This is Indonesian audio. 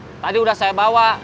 saya ingat tadi udah saya bawa